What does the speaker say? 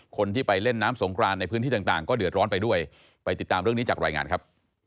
คนที่ไปเล่นน้ำสงครานในพื้นที่ต่างก็เดือดร้อนไปด้วยไปติดตามเรื่องนี้จากรายงานครับ